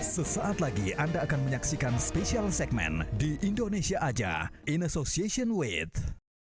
sesaat lagi anda akan menyaksikan special segmen di indonesia aja in association with